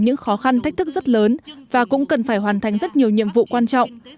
những khó khăn thách thức rất lớn và cũng cần phải hoàn thành rất nhiều nhiệm vụ quan trọng